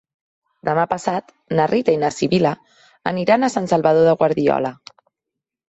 Demà passat na Rita i na Sibil·la aniran a Sant Salvador de Guardiola.